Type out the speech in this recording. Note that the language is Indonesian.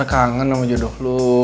kangen sama jodoh lo